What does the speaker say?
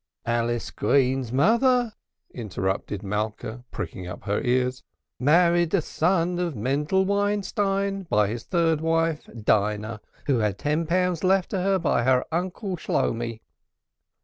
"Alice Green's mother," interrupted Malka, pricking up her ears, "married a son of Mendel Weinstein by his third wife, Dinah, who had ten pounds left her by her uncle Shloumi."